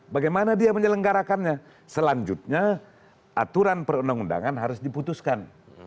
bagaimana dia menyelenggarakannya selanjutnya aturan perundang undangan harus diputuskan